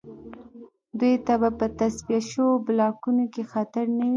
دوی ته به په تصفیه شویو بلاکونو کې خطر نه وي